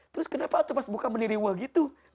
terus kenapa aku pas buka meniriwa gitu